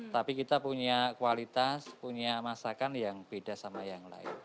tapi kita punya kualitas punya masakan yang beda sama yang lain